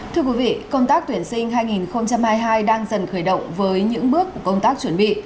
thưa quý vị công tác tuyển sinh hai nghìn hai mươi hai đang dần khởi động với những bước công tác chuẩn bị